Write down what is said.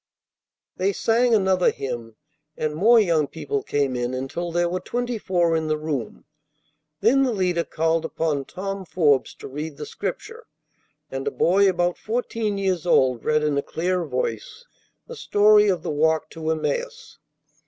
They sang another hymn, and more young people came in until there were twenty four in the room. Then the leader called upon Tom Forbes to read the Scripture, and a boy about fourteen years old read in a clear voice the story of the walk to Emmaus.